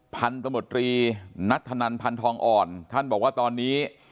พันธมตรีนัทธนันพันธองอ่อนท่านบอกว่าตอนนี้